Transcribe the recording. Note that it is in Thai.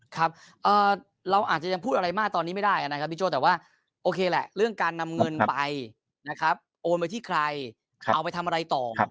ครับเราอาจจะยังพูดอะไรมากตอนนี้ไม่ได้นะครับพี่โจ้แต่ว่าโอเคแหละเรื่องการนำเงินไปนะครับโอนไปที่ใครเอาไปทำอะไรต่อ